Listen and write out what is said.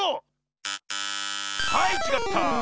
はいちがった。